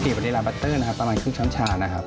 กลิ่นบริลาบัตเตอร์นะครับประมาณครึ่งช้ำชานะครับ